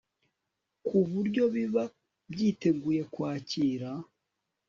ku buryo biba byiteguye kwakira